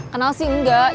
kenal sih enggak